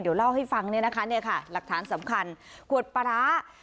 เดี๋ยวเล่าให้ฟังเนี่ยนะคะเนี่ยค่ะหลักฐานสำคัญขวดปลาร้า